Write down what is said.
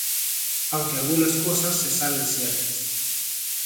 Aunque algunas cosas se saben ciertas.